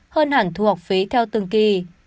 hơn hẳn thu học phí theo tương kỳ